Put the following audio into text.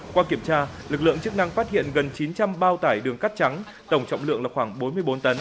qua kiểm tra lực lượng chức năng phát hiện gần chín trăm linh bao tải đường cát trắng tổng trọng lượng là khoảng bốn mươi bốn tấn